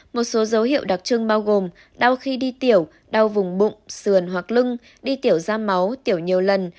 một số dấu hiệu đặc trưng bao gồm đau khi đi tiểu đau vùng bụng sườn hoặc lưng đi tiểu da máu tiểu nhiều lần